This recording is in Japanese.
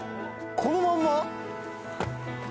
このまんま？